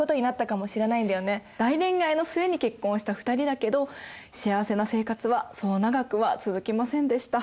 大恋愛の末に結婚した２人だけど幸せな生活はそう長くは続きませんでした。